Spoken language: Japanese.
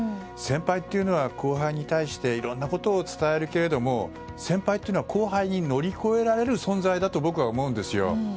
先輩というのは後輩に対していろんなことを伝えるけれども先輩というのは後輩に乗り越えられる存在だと僕は思うんですよ。